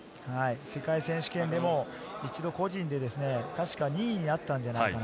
世界選手権でも一度、個人でたしか２位になったんじゃないかな。